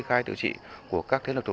cầm đầu các tà đạo